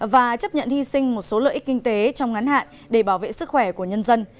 và chấp nhận hy sinh một số lợi ích kinh tế trong ngắn hạn để bảo vệ sức khỏe của nhân dân